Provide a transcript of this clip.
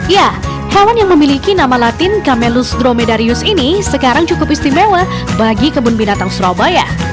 ya hewan yang memiliki nama latin camelus dromedarius ini sekarang cukup istimewa bagi kebun binatang surabaya